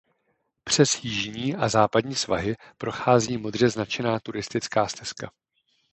Přes jižní a západní svahy prochází modře značená turistická stezka.